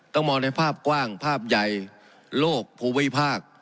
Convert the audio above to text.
ต้องมองในภาพกว้างภาพใหญ่โลกภูมิภาค